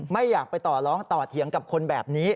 ไม่อยากไปต่อร้องต่อเถียงกับคนแบบนี้